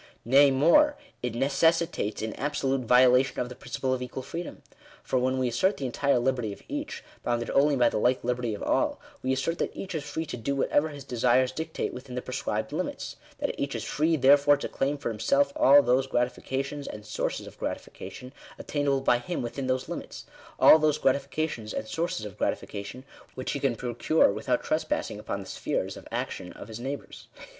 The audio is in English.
Nay more, it necessitates an absolute violation of the principle of equal freedom. For when we assert the entire liberty of each, bounded only by the like liberty of all, we assert that each is free to do whatever bis desires dictate, within the prescribed limits — that each is free, therefore, to claim for himself all those gratifications, and sources of gratification, attainable by him within those limits — all those gratifications, and sources of gratification which he can procure without trespass ing upon the spheres of action of his neighbours.